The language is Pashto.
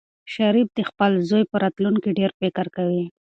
شریف د خپل زوی په راتلونکي ډېر فکر کوي.